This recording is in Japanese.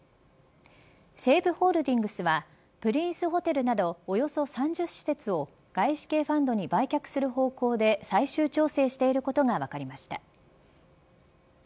西武ホールディングスはプリンスホテルなどおよそ３０施設を外資系ファンドに売却する方向で最終調整していることが分かりました。